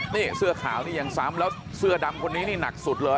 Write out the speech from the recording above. นี่เสื้อขาวนี่ยังซ้ำแล้วเสื้อดำคนนี้นี่หนักสุดเลย